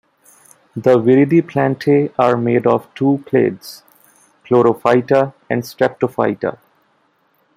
The Viridiplantae are made up of two clades: Chlorophyta and Streptophyta.